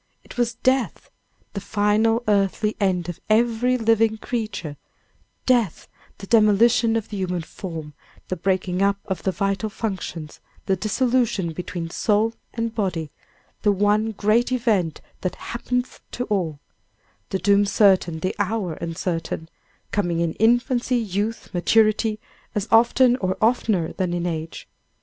It was death the final earthly end of every living creature death, the demolition of the human form, the breaking up of the vital functions, the dissolution between soul and body, the one great event that "happeneth to all;" the doom certain, the hour uncertain; coming in infancy, youth, maturity, as often or oftener than in age.